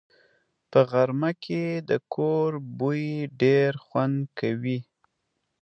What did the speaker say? په غرمه کې د کور بوی ډېر خوند کوي